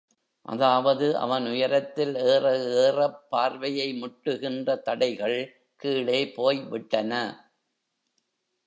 அதாவது, அவன் உயரத்தில் ஏற ஏறப் பார்வையை முட்டுகின்ற தடைகள் கீழே போய் விட்டன.